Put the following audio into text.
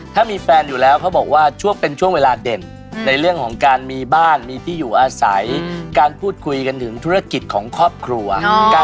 ถ้าเกิดแฟนเขาก็ขึ้นลงเราก็นิ่งต้องแน่คนเขาจะทำอะไรก็ปล่อยเดี๋ยวมาดีกันเนาะ